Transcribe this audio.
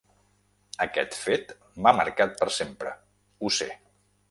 Aquest fet m’ha marcat per sempre, ho sé.